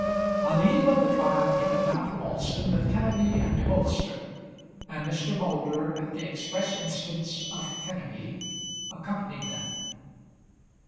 On the eve of the trial he went down to Alston with Kenneby and Bolster; and Mr. Moulder, at the express instance of Kenneby, accompanied them.